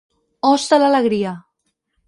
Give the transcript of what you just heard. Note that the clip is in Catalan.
Os de l'alegria.